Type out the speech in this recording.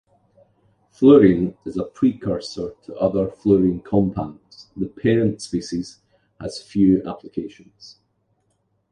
Fluorene is a precursor to other fluorene compounds; the parent species has few applications.